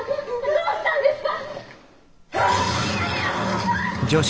どうしたんですか？」。